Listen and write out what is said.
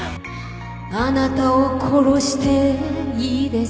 「あなたを殺していいですか」